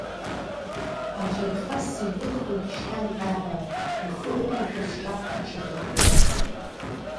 Аӡәы аиха сиркыхуеит шьҭа иҟьа ҳәа, ихы ықәушәа сҿаԥхьа ҽаӡәы ақды.